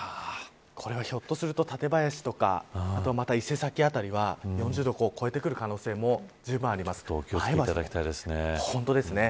これはひょっとすると、館林とか伊勢崎辺りは４０度を超えてくる可能性も気を付けていただきたいですね。